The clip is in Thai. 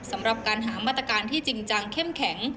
สำหรับการหามาตรการที่จริงจังเข้มแข็ง